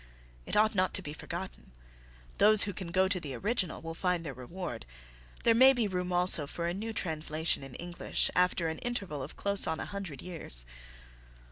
It ought not to be forgotten. Those who can go to the original will find their reward. There may be room also for a new translation in English after an interval of close on a hundred years.